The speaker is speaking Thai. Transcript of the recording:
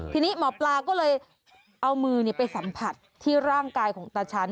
ทีนี้หมอปลาก็เลยเอามือไปสัมผัสที่ร่างกายของตาฉัน